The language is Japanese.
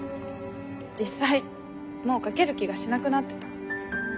実際もう書ける気がしなくなってた。